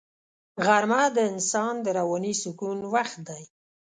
غرمه د انسان د رواني سکون وخت دی